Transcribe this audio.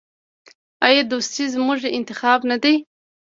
آیا دوستي زموږ انتخاب نه دی؟